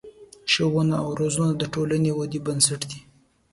ښوونه او روزنه د ټولنې د ودې بنسټ دی.